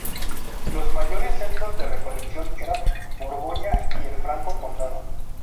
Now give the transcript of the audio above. Los mayores centros de recolección eran Borgoña y el Franco Condado.